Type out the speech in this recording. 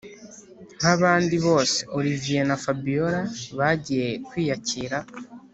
nkabandi bose olivier na fabiora bagiye kwiyakira